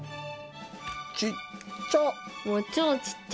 ちっちゃ！